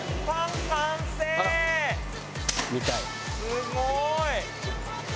すごい！